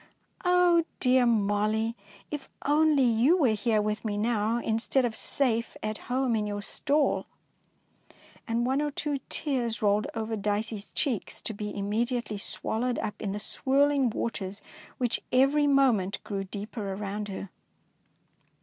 '' Oh, dear Molly, if only you were here with me now instead of safe at 251 DEEDS OF DABING home in your stall''; and one or two tears rolled over Dicey's cheeks to be immediately swallowed up in the swirl ing waters which every moment grew deeper around her.